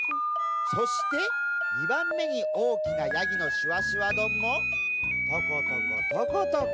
そして２ばんめにおおきなヤギのしわしわどんもトコトコトコトコ。